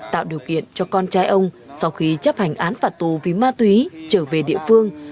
tạo điều kiện cho con trai ông sau khi chấp hành án phạt tù vì ma túy trở về địa phương